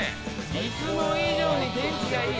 いつも以上に天気がいい！